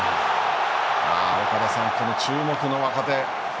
岡田さん、この注目の若手。